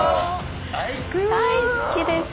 大好きです。